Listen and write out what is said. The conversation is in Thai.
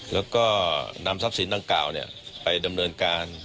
แล้วก็นำทรัพย์สินตั้งเก่าเนี้ยไปดำเนินการ